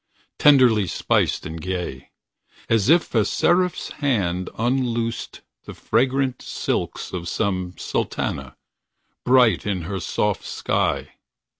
Tenderly spiced and gay. As if a seraph's hand Unloosed the fragrant silks Of some sultana, bright In her soft sky.